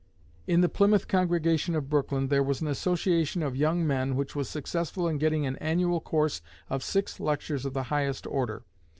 In the Plymouth congregation of Brooklyn there was an association of young men which was successful in getting an annual course of six lectures of the highest order.